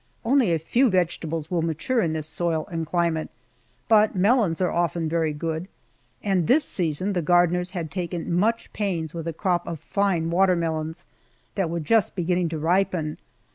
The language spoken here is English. Only a few vegetables will mature in this soil and climate, but melons are often very good, and this season the gardeners had taken much pains with a crop of fine watermelons that were just beginning to ripen.